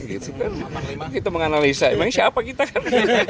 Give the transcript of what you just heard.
itu kan kita menganalisa emangnya siapa kita kan